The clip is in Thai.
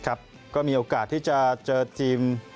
ก็มีโอกาสที่จะเจอทีม